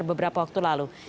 beberapa waktu lalu